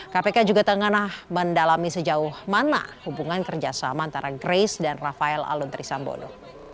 kpk juga tengah mendalami sejauh mana hubungan kerjasama antara grace dan rafael aluntri sambodo